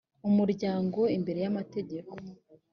umuryango imbere y’amategeko